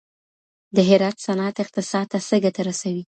د هرات صنعت اقتصاد ته څه ګټه رسوي؟